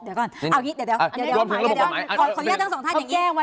เดี๋ยวก่อนเดี๋ยวขออนุญาตทั้งสองท่านอย่างนี้